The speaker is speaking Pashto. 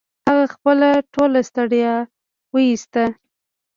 هغه خپله ټوله ستړيا و ایستله